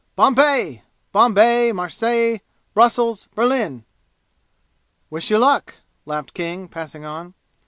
"Bombay! Bombay Marseilles Brussels Berlin!" "Wish you luck!" laughed King, passing on.